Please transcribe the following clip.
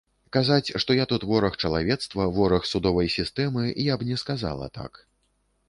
Казаць, што я тут вораг чалавецтва, вораг судовай сістэмы, я б не сказала так.